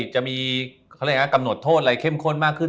อเจมส์เข้าใจนะครับกำหนดโทษอะไรเข้มข้นมากขึ้น